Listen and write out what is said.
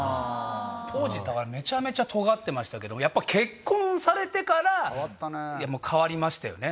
当時だからめちゃめちゃとがってましたけども結婚されてから変わりましたよね。